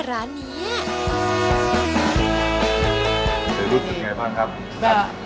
รู้สึกยังไงบ้างครับ